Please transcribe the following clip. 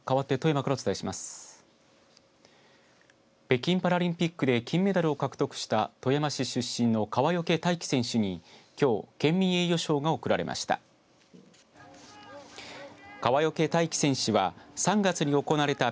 北京パラリンピックで金メダルを獲得した富山市出身の川除大輝選手にきょう県民栄誉賞が贈られました。